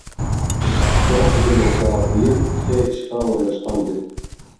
چوڭ قىزى بولسا بۇ يىل تېخى ئىشقا ئورۇنلاشقانىدى.